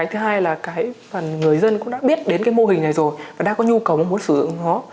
thứ hai là cái phần người dân cũng đã biết đến cái mô hình này rồi và đã có nhu cầu muốn sử dụng nó